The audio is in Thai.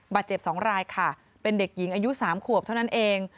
๒รายค่ะเป็นเด็กหญิงอายุ๓ขวบเท่านั้นเอง